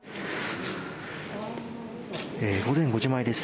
午前５時前です。